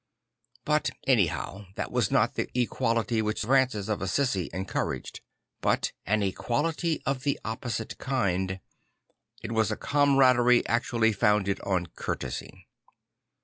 But anyhow that was not the equality which Francis of Assisi encouraged; but an equality of the opposite kind; it was a cama raderie actually founded on courtesy.